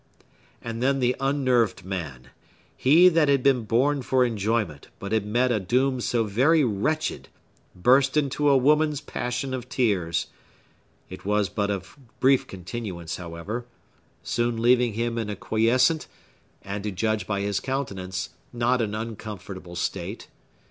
And then the unnerved man—he that had been born for enjoyment, but had met a doom so very wretched—burst into a woman's passion of tears. It was but of brief continuance, however; soon leaving him in a quiescent, and, to judge by his countenance, not an uncomfortable state.